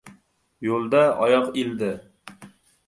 Yo‘lda oyoq ildi.